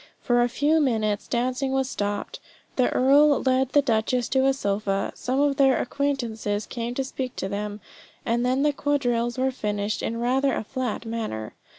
For a few minutes dancing was stopped; the earl led the duchess to a sofa; some of their acquaintances came up to speak to them; and then the quadrilles were finished in rather a flat manner.